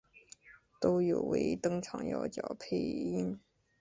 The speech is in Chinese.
都有为登场要角配音。